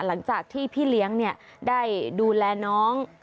หลังจากที่พี่เลี้ยงได้ดูแลน้อง